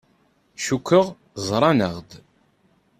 Cukkeɣ ẓran-aɣ-d.